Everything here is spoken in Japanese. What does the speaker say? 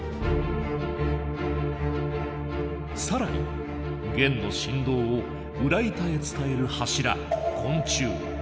更に弦の振動を裏板へ伝える柱魂柱。